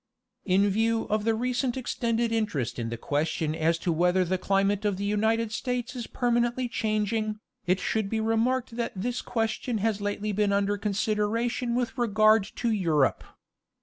In view of the recent extended interest in the question as to whether the climate of the United States is permanently changing, it should be remarked that this question has lately been under con sideration with regard to Europe.